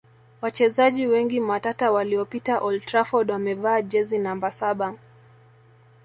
Wachezaji wengi matata waliopita old Trafford wamevaa jezi namba saba